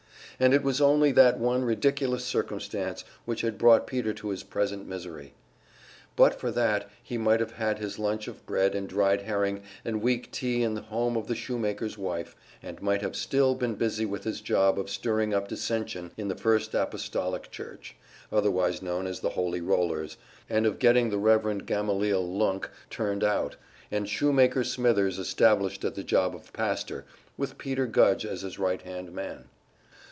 And it was only that one ridiculous circumstance which had brought Peter to his present misery. But for that he might have had his lunch of bread and dried herring and weak tea in the home of the shoe maker's wife, and might have still been busy with his job of stirring up dissension in the First Apostolic Church, otherwise known as the Holy Rollers, and of getting the Rev. Gamaliel Lunk turned out, and Shoemaker Smithers established at the job of pastor, with Peter Gudge as his right hand man.